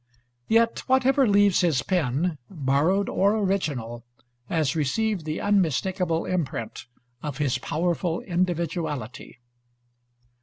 Yet whatever leaves his pen, borrowed or original, has received the unmistakable imprint of his powerful individuality.